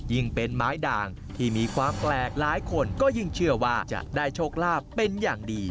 เป็นไม้ด่างที่มีความแปลกหลายคนก็ยิ่งเชื่อว่าจะได้โชคลาภเป็นอย่างดี